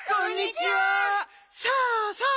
さあさあ